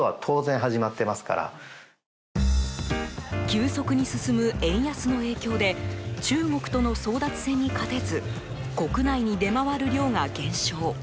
急速に進む円安の影響で中国との争奪戦に勝てず国内に出回る量が減少。